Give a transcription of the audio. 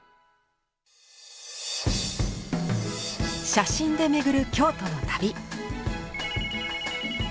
写真でめぐる京都の旅。